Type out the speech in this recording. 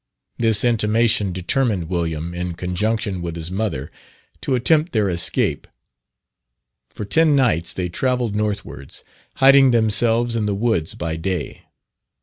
This intimation determined William, in conjunction with his mother, to attempt their escape. For ten nights they travelled northwards, hiding themselves in the woods by day.